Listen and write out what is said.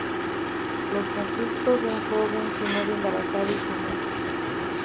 Los conflictos de un joven, su novia embarazada y su amante.